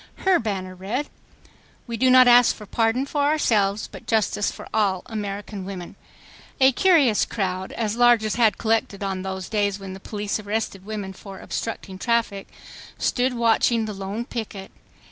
Her banner read, "We do not ask pardon for ourselves but justice for all American women." A curious crowd, as large as had collected on those days when the police arrested women for "obstructing traffic," stood watching the lone picket.